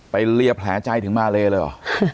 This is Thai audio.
เรียแผลใจถึงมาเลเลยเหรอ